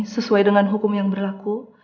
sesuai dengan hukum yang berlaku